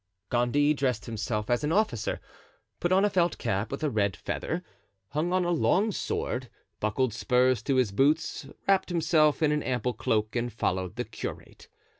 Gondy dressed himself as an officer, put on a felt cap with a red feather, hung on a long sword, buckled spurs to his boots, wrapped himself in an ample cloak and followed the curate.